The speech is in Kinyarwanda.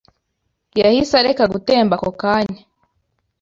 yahise areka gutemba ako kanya